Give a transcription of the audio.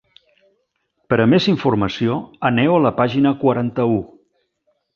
Per a més informació, aneu a la pàgina quaranta-u.